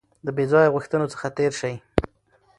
د بې ځایه غوښتنو څخه تېر شئ.